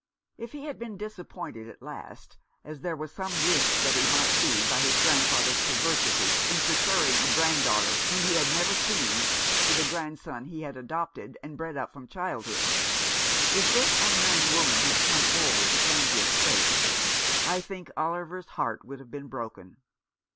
If he had been disappointed at last, as there was some risk that he might be, by his grandfather's perversity in preferring a granddaughter whom he had never seen to the grandson he had adopted and bred up from childhood — if this unknown woman had come forward to claim the estate — I think Oliver's heart would have broken."